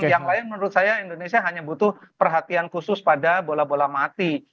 yang lain menurut saya indonesia hanya butuh perhatian khusus pada bola bola mati